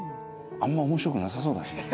あんま面白くなさそうだし。